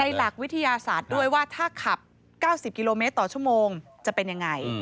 หลักวิทยาศาสตร์ด้วยว่าถ้าขับ๙๐กิโลเมตรต่อชั่วโมงจะเป็นยังไง